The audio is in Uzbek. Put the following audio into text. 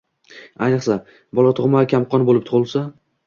Ayniqsa, bola tug`ma kamqon bo`lib tug`ilsa